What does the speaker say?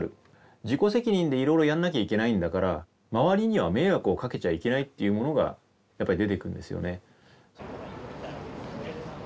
自己責任でいろいろやんなきゃいけないんだから周りには迷惑をかけちゃいけないっていうものがやっぱり出てくるんですよね。